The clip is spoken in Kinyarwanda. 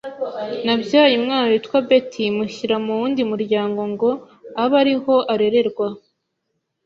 Nabyaye umwana mwita Beth, mushyira mu wundi muryango ngo abe ari ho arererwa